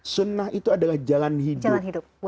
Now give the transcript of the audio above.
sunnah itu adalah jalan hidup